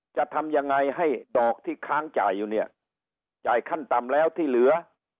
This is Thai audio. จะทำยังไงให้ดอกที่ค้างจ่ายอยู่เนี่ยจ่ายขั้นต่ำแล้วที่เหลือ